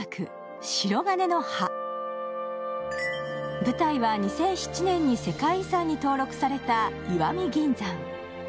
舞台は２００７年に世界遺産に登録された石見銀山。